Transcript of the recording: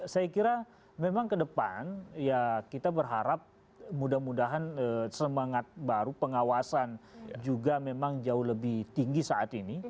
saya kira memang ke depan ya kita berharap mudah mudahan semangat baru pengawasan juga memang jauh lebih tinggi saat ini